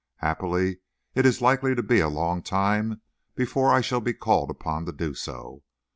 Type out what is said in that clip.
Happily it is likely to be a long time before I shall be called upon to do so.